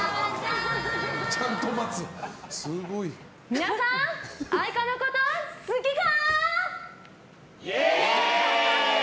皆さん、愛花のこと好きか？